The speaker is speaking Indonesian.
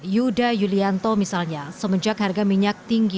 yuda yulianto misalnya semenjak harga minyak tinggi